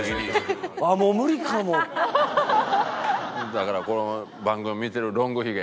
だからこの番組見てるロングヒゲ